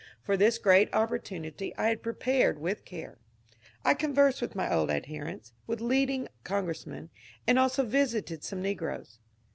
For this great opportunity I had prepared wit^ care. I conversed with my old adherents, with leading congressmen, and also visited some negroes.